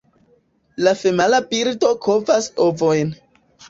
La femala birdo kovas ovojn.